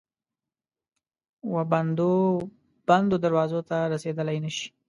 وبندو، بندو دروازو ته رسیدلای نه شي